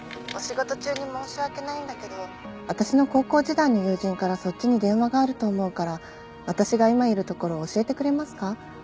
☎お仕事中に申し訳ないんだけど私の高校時代の友人からそっちに電話があると思うから私が今いる所を教えてくれますか？